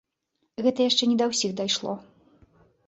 Гэта яшчэ не да ўсіх дайшло.